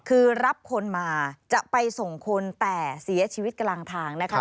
คือรับคนมาจะไปส่งคนแต่เสียชีวิตกลางทางนะคะ